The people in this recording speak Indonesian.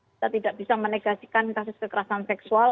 kita tidak bisa menegasikan kasus kekerasan seksual